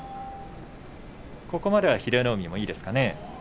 ここまでは英乃海もいいですかね。